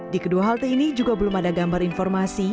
di kedua halte ini juga belum ada gambar informasi